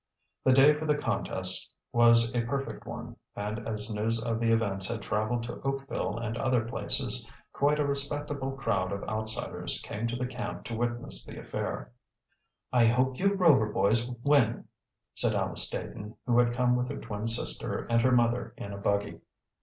The day for the contests was a perfect one and as news of the events had traveled to Oakville and other places, quite a respectable crowd of outsiders came to the camp to witness the affair. "I hope you Rover boys win," said Alice Staton, who had come with her twin sister and her mother in a buggy.